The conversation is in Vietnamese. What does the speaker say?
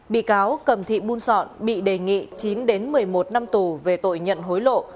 bị cáo cầm thị buôn sọn bị đề nghị chín một mươi một năm tù về tội nhận hối lộ